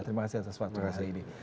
terima kasih atas waktu yang sedang ini